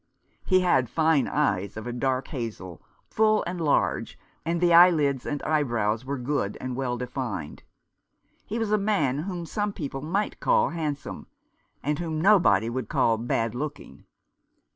He had fine eyes of a dark hazel, full and large, and the eyelids and eyebrows were good and well defined. He was a man whom some people might call handsome, and whom nobody could call bad looking.